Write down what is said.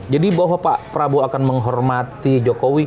jadi bahwa pak prabowo akan menghormati jokowi